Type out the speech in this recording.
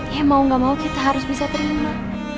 ya mau gak mau kita harus bisa terima